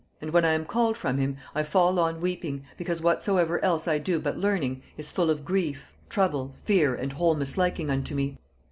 And when I am called from him I fall on weeping, because whatsoever else I do but learning, is full of grief, trouble, fear, and whole misliking unto me.